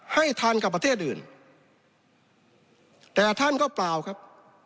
ให้ทันกับประเทศอื่นแต่ท่านก็เปล่าครับ